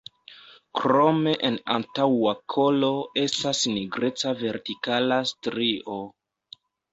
Krome en antaŭa kolo estas nigreca vertikala strio.